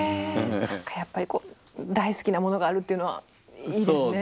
何かやっぱりこう大好きなものがあるっていうのはいいですね。